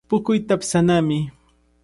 Puquy patsanami.